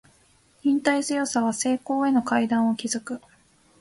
忍耐強さは成功への階段を築く